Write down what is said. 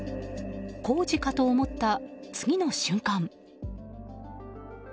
工事かと思った、次の瞬間。